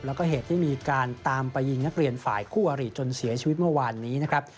แล้วก็เหตุที่มีการตามไปยิงนักเรียนฝ่ายคู่อริจนเสียชีวิตเมื่อวานนี้นะครับ